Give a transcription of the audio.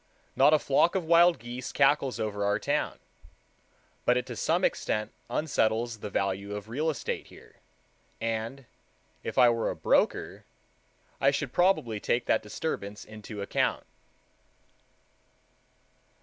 Not a flock of wild geese cackles over our town, but it to some extent unsettles the value of real estate here, and, if I were a broker, I should probably take that disturbance into account.